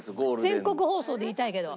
全国放送で言いたいけど。